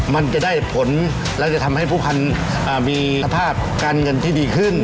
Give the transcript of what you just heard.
มันจะได้ผลแล้วจะทำให้ผู้พันธุ์มีสภาพการเงินที่ดีขึ้น